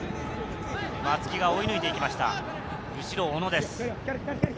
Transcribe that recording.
松木が追い抜いていきました。